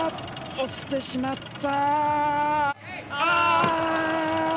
落ちてしまった。